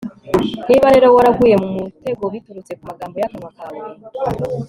niba rero waraguye mu mutego biturutse ku magambo y'akanwa kawe